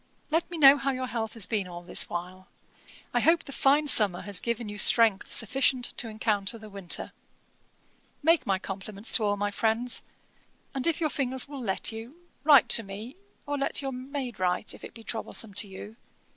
'Let me know how your health has been all this while. I hope the fine summer has given you strength sufficient to encounter the winter. 'Make my compliments to all my friends; and, if your fingers will let you, write to me, or let your maid write, if it be troublesome to you.